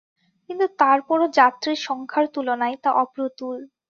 কিন্তু তারপরও যাত্রীর সংখ্যার তুলনায় তা অপ্রতুল।